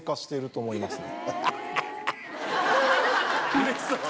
うれしそう。